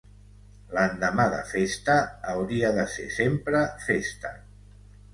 L'endemà de festa hauria de ser sempre festa.